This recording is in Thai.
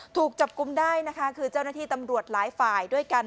ถูกจับกลุ่มได้นะคะคือเจ้าหน้าที่ตำรวจหลายฝ่ายด้วยกัน